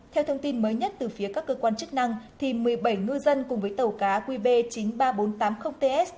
theo thông tin mới nhất từ phía các cơ quan chức năng thì một mươi bảy ngư dân cùng với tàu cá qeb chín mươi ba nghìn sáu trăm chín mươi bốn ts